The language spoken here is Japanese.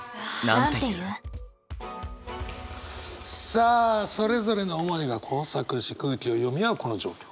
さあそれぞれの思いが交錯し空気を読み合うこの状況。